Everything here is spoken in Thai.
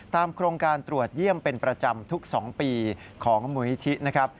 โครงการตรวจเยี่ยมเป็นประจำทุก๒ปีของมูลนิธินะครับ